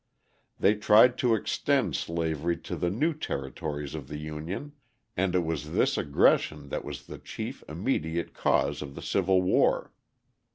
They tried to extend slavery to the new territories of the Union, and it was this aggression that was the chief immediate cause of the Civil War.